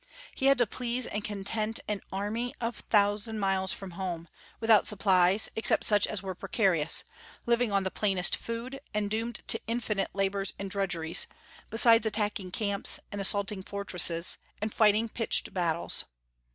He had to please and content an army a thousand miles from home, without supplies, except such as were precarious, living on the plainest food, and doomed to infinite labors and drudgeries, besides attacking camps and assaulting fortresses, and fighting pitched battles.